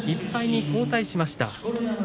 １敗に後退しました。